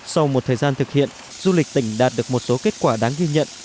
sau một thời gian thực hiện du lịch tỉnh đạt được một số kết quả đáng ghi nhận